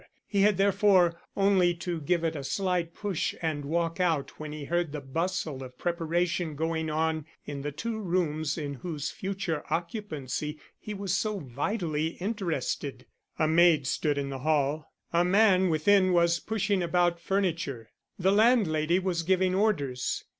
He had, therefore, only to give it a slight push and walk out when he heard the bustle of preparation going on in the two rooms in whose future occupancy he was so vitally interested. A maid stood in the hall. A man within was pushing about furniture. The landlady was giving orders.